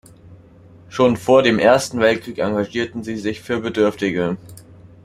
Schon vor dem Ersten Weltkrieg engagierte sie sich für Bedürftige.